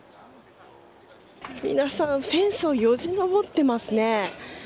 皆さん、フェンスをよじ登っていますね。